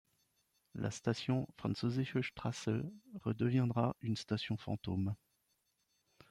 La station Französische Straße redeviendra une station fantôme.